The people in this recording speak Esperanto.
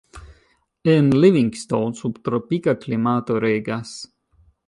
En Livingstone subtropika klimato regas.